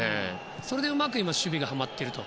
それで今、守備がはまっていると。